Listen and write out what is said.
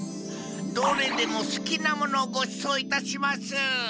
どれでもすきなものをごちそういたします！